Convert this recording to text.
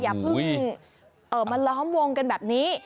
อย่าเพิ่งมาล้อมวงกันแบบนี้